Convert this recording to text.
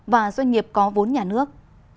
và doanh nghiệp có vốn nhà nước